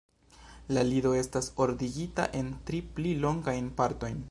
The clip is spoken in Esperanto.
La lido estas ordigita en tri pli longajn partojn.